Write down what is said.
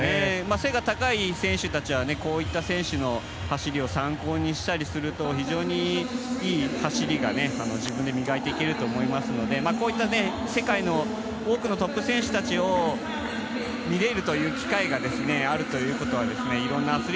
背が高い選手たちはこういった選手の走りを参考にしたりすると非常にいい走りが、自分で磨いていけると思いますのでこういった世界の多くのトップ選手たちを一昨日の女子１５００ｍ準決勝。